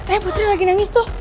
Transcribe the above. eh putri lagi nangis tuh